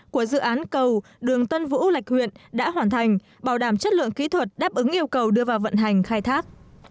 của dự án cầu đường tân vũ lạch huyện đã hoàn thành bảo đảm chất lượng kỹ thuật đáp ứng yêu cầu đưa vào vận hành khai thác